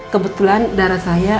kebetulan darah saya